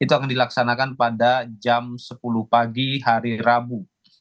itu akan dilaksanakan pada jam sepuluh pagi hari rabu